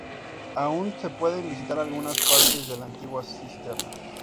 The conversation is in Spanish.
Aún se pueden visitar algunas partes de la antigua cisterna.